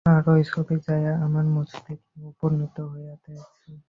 আর ঐ ছবি যাইয়া আমার মস্তিষ্কে উপনীত হইতেছে।